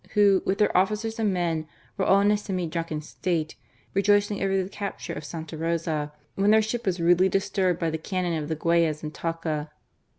who^ with their officers' and men, were all in a semi drunken state, rejoicings over the capture of Santa Rosa« when their ship was indely disturbed by the cannon of the Gfi^os and Taka.